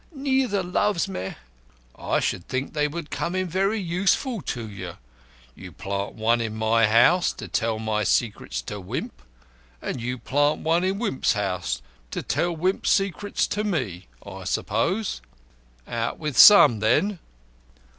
Neither loves me." "I should think they would come in very useful to you. You plant one in my house to tell my secrets to Wimp, and you plant one in Wimp's house to tell Wimp's secrets to me, I suppose. Out with some, then."